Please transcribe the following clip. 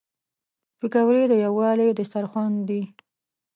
پکورې د یووالي دسترخوان دي